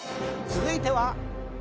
続いては。